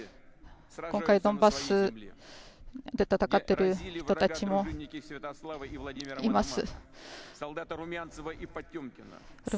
今回ドンバスで戦っている人たちもいます。